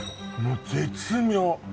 もう絶妙！